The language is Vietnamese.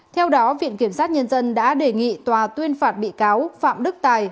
theo đó viện kiểm sát nhân dân đã đề nghị tòa tuyên phạt bị cáo phạm đức tài